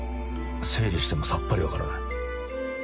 整理してもさっぱり分からない。